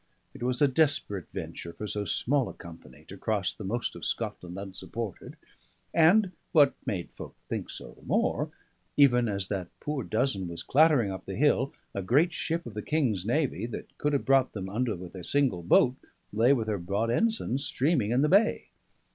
It was a desperate venture for so small a company to cross the most of Scotland unsupported; and (what made folk think so the more) even as that poor dozen was clattering up the hill, a great ship of the King's navy, that could have brought them under with a single boat, lay with her broad ensign streaming in the bay.